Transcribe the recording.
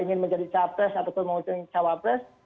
ingin menjadi capres ataupun mengusung cawapres